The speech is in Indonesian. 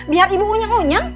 biar ibu hunyeng hunyeng